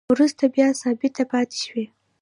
وروسته بیا ثابته پاتې شوې